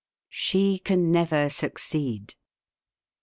"SHE CAN NEVER SUCCEED."